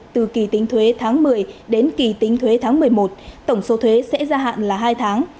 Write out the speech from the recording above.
từ kỳ tính thuế tháng một mươi đến kỳ tính thuế tháng một mươi một tổng số thuế sẽ gia hạn là hai tháng